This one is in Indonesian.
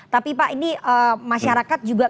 tapi pak ini masyarakat juga